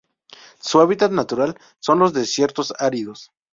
Su hábitat natural son: los desiertos áridos